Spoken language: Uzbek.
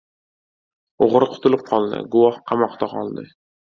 • O‘g‘ri qutulib qoldi, guvoh qamoqda qoldi.